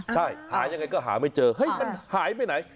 ใช่หายังไงก็หาไม่เจอเฮ้ยมันหายไปไหน